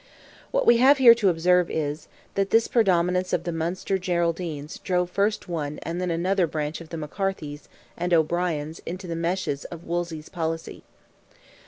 What we have here to observe is, that this predominance of the Munster Geraldines drove first one and then another branch of the McCarthys, and O'Briens, into the meshes of Wolsey's policy.